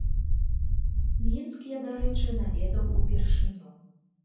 Мінск, я, дарэчы, наведаў упершыню.